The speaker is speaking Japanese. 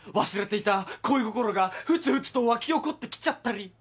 忘れていた恋心がふつふつと湧き起こってきちゃったり。